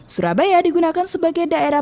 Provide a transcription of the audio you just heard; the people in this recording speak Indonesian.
surabaya digunakan sebagai daerah